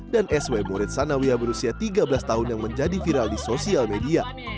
dan sw murid sanawiah berusia tiga belas tahun yang menjadi viral di sosial media